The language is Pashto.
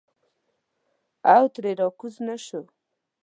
او ترې راکوز نه شو.